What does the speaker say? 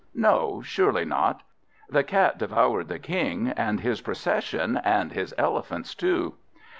No, surely not. The Cat devoured the King, and his procession, and his elephants too.